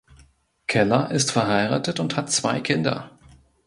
Keller ist verheiratet und hat zwei Kinder.